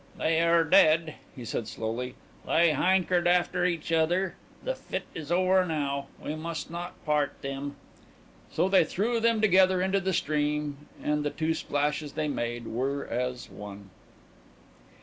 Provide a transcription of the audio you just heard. "They air dead," he said slowly, "they hankered after each other. The fit is over now. We must not part them." So they threw them together into the stream and the two splashes they made were as one.